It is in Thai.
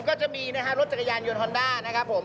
ก็จะมีนะฮะรถจักรยานยนต์ฮอนด้านะครับผม